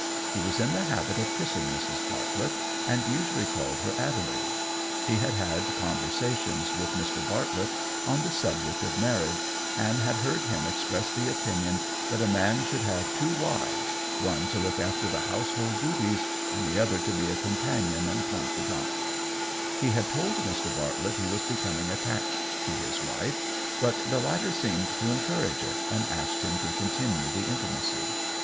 He was in the habit of kissing Mrs. Bartlett, and usually called her Adelaide. He had had conversations with Mr. Bartlett on the subject of marriage, and had heard him express the opinion that a man should have two wives, one to look after the household duties, and another to be a companion and confidante. He had told Mr. Bartlett he was becoming attached to his wife, but the latter seemed to encourage it, and asked him to continue the intimacy.